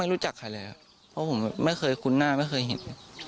รู้จักใครเลยครับเพราะผมไม่เคยคุ้นหน้าไม่เคยเห็น